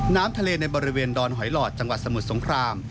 น้ำทะเลในบริเวณดอนหอยหลอดจังหวัดสมุทรสงคราม